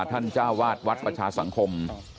เจ้าวาดวัดประชาสังคม